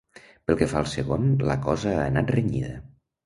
Pel que fa al segon, la cosa ha anat renyida.